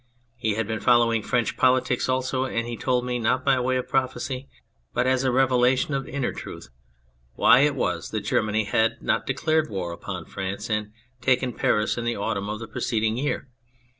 He had been following French politics also, and he told me not by way of prophecy, but as a revelation of inner truth why it was that Germany had not declared war upon France and taken Paris in the autumn of the preceding year.